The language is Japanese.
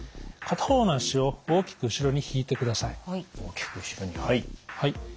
片方の足を大きく後ろに引いてください。